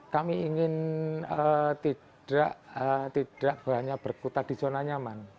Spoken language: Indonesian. kami ingin tidak hanya berkutat di zona nyaman